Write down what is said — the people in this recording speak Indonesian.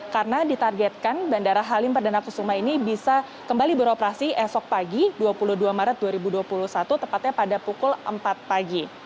karena ditargetkan bandara halim perdana kusuma ini bisa kembali beroperasi esok pagi dua puluh dua maret dua ribu dua puluh satu tepatnya pada pukul empat pagi